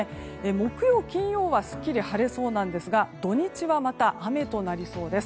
木曜、金曜はすっきり晴れそうですが土日はまた雨となりそうです。